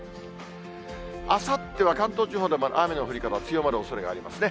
あさっては関東地方で雨の降り方、強まるおそれがありますね。